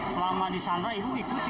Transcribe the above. selama disandera ibu ikuti pemberitaannya